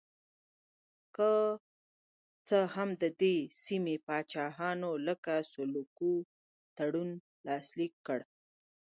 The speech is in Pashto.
که څه هم د دې سیمې پاچاهانو لکه سلوکو تړونونه لاسلیک کړل.